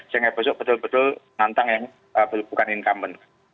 sehingga besok betul betul nantang yang bukan incumbent